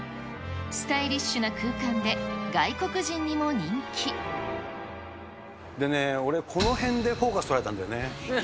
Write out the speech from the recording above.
スタイリッシュな空間で、でね、俺、この辺でフォーカス取られたんだよね。